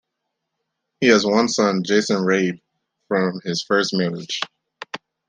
He has one son, Jason Rabe, from his first marriage.